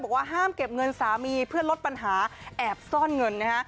บอกว่าห้ามเก็บเงินสามีเพื่อลดปัญหาแอบซ่อนเงินนะฮะ